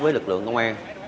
với lực lượng công an